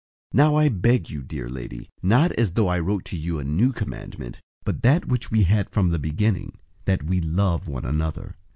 001:005 Now I beg you, dear lady, not as though I wrote to you a new commandment, but that which we had from the beginning, that we love one another.